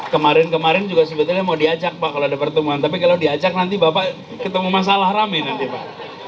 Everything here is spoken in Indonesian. kemarin kemarin juga sebetulnya mau diajak pak kalau ada pertemuan tapi kalau diajak nanti bapak ketemu masalah rame nanti pak